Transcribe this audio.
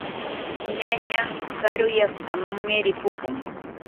Ñañaa karu llaqtamanmi ripukun.